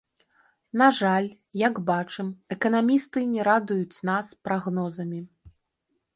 На жаль, як бачым, эканамісты не радуюць нас прагнозамі.